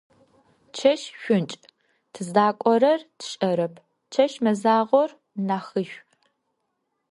Чэщ шӀункӀ, тыздакӀорэр тшӀэрэп, чэщ мэзагъор нахьышӀу.